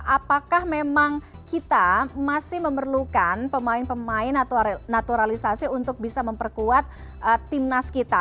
apakah memang kita masih memerlukan pemain pemain atau naturalisasi untuk bisa memperkuat timnas kita